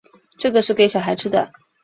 这个是给小孩吃的